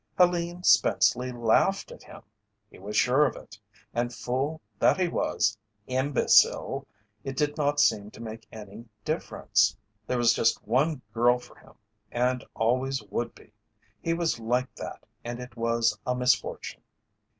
Helene Spenceley laughed at him he was sure of it and fool that he was imbecile it did not seem to make any difference. There was just one girl for him and always would be he was like that and it was a misfortune.